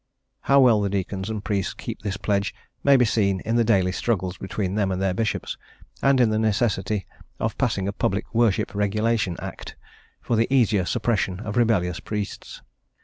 How well the deacons and priests keep this pledge may be seen in the daily struggles between them and their bishops, and in the necessity of passing a Public Worship Regulation Act for the easier suppression of rebellious priests.